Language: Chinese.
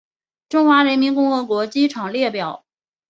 中华人民共和国机场列表